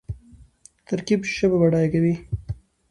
ترکیب ژبه بډایه کوي.